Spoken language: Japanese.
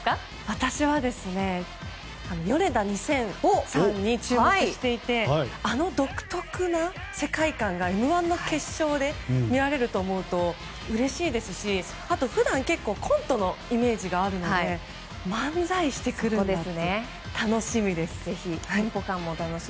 私はヨネダ２０００さんに注目していてあの独特な世界観が「Ｍ‐１」の決勝で見られると思うとうれしいですし、あと普段は結構コントのイメージがあるので漫才をしてくるって楽しみです。